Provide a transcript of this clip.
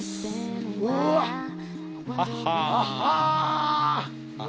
うーわっ。